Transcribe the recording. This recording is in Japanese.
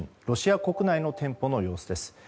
ロシア国内の店舗の様子です。